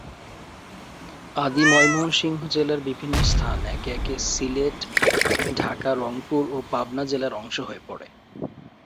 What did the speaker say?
আদি ময়মনসিংহ জেলার বিভিন্ন স্থান একে একে সিলেট, ঢাকা, রংপুর ও পাবনা জেলার অংশ হয়ে পড়ে।